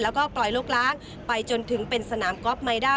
แล้วก็ปล่อยลกล้างไปจนถึงเป็นสนามกอล์ฟไมด้า